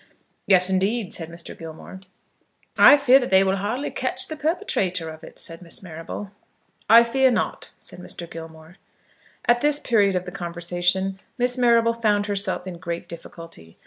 "Yes, indeed," said Mr. Gilmore. "I fear that they will hardly catch the perpetrator of it," said Miss Marrable. "I fear not," said Mr. Gilmore. At this period of the conversation Miss Marrable found herself in great difficulty.